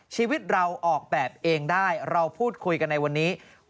ชีวิตเราออกแบบเองได้เราพูดคุยกันในวันนี้